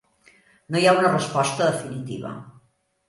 No hi ha una resposta definitiva.